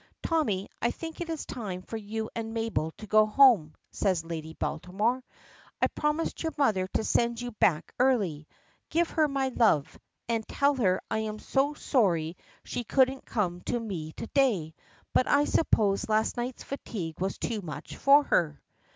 "Tommy, I think it is time for you and Mabel to go home," says Lady Baltimore. "I promised your mother to send you back early. Give her my love, and tell her I am so sorry she couldn't come to me to day, but I suppose last night's fatigue was too much for her."